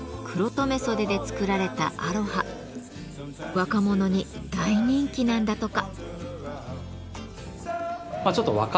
若者に大人気なんだとか。